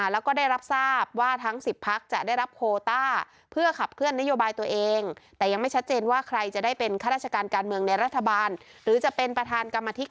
แล้วก็ได้รับทราบว่าทั้ง๑๐พักธุ์จะได้รับโควต้า